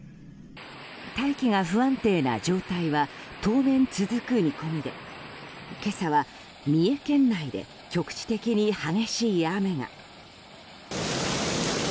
大気が不安定な状態は当面続く見込みで今朝は、三重県内で局地的に激しい雨が。